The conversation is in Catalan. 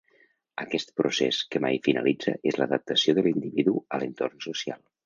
Aquest procés que mai finalitza és l'adaptació de l'individu a l'entorn social.